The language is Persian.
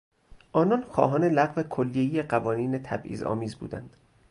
آنان خواهان لغو کلیهی قوانین تبعیضآمیز بودند.